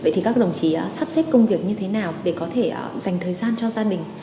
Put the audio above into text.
vậy thì các đồng chí sắp xếp công việc như thế nào để có thể dành thời gian cho gia đình